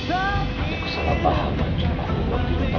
aku salah paham